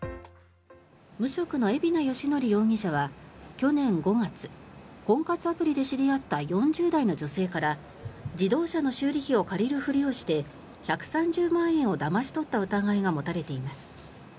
無職の海老名義憲容疑者は去年５月婚活アプリで知り合った４０代の女性から自動車の修理費を借りるふりをして１３０万円をだまし取った疑いが持たれています。